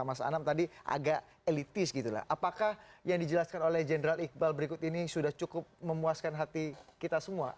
pengakuannya general iqbal berikut ini sudah cukup memuaskan hati kita semua